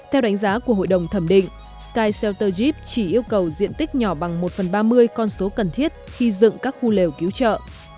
theo đánh giá của hội đồng thẩm định sky celler gep chỉ yêu cầu diện tích nhỏ bằng một phần ba mươi con số cần thiết khi dựng các khu lều cứu trợ